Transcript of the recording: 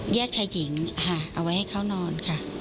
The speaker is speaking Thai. ชายหญิงเอาไว้ให้เขานอนค่ะ